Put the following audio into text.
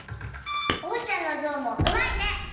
おうちゃんのゾウもうまいね！